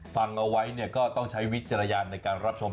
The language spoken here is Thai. ฟังเอาไว้เนี่ยก็ต้องใช้วิจารณญาณในการรับชม